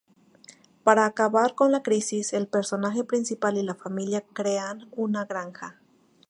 Para acabar con la crisis, el personaje principal y la familia crean una granja.